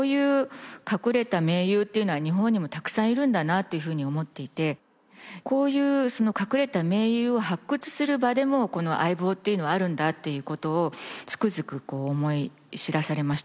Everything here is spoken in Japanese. っていうふうに思っていてこういう隠れた名優を発掘する場でもこの『相棒』っていうのはあるんだっていう事をつくづく思い知らされました。